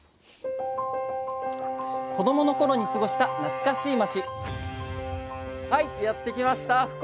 子どもの頃に過ごした懐かしい町！